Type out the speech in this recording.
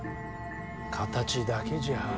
形だけじゃ。